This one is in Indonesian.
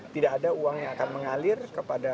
tidak ada uang yang akan mengalir kepada